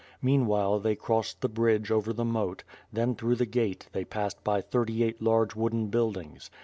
Meanwhile they crossed the bridge over the moat; then through the gate, they passed by thirty eight large wooden buildings.